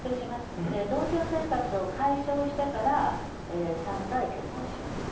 同居生活を解消してから３回結婚します。